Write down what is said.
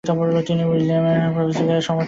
তিনি উইলমট প্রোভিসো সমর্থন করেছিলেন।